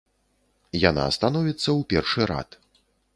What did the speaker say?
Яна становіцца ў першы рад.